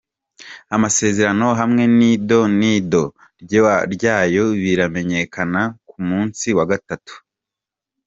Amasezerano hamwe n'ido n'ido ry'ayo biramenyekana ku musi wa gatatu.